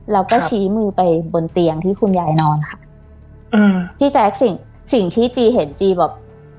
แล้วก็ชี้มือไปบนเตียงที่คุณยายนอนค่ะอืมพี่แจ๊คสิ่งสิ่งที่จีเห็นจีแบบ